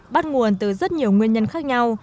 bắt nguồn từ rất nhiều nguyên nhân khác nhau